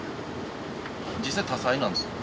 実際、多才なんですよ。